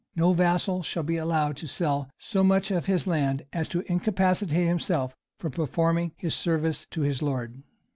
No vassal shall be allowed to sell so much of his land as to incapacitate himself from performing his service to his lord.